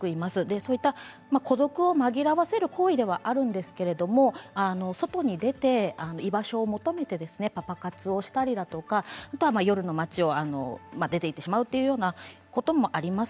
そういった孤独を紛らわせる行為なんですけれど外に出て居場所を求めてパパ活をしたり夜の街に出ていってしまうということもあります。